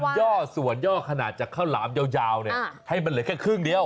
ย่อส่วนย่อขนาดจากข้าวหลามยาวเนี่ยให้มันเหลือแค่ครึ่งเดียว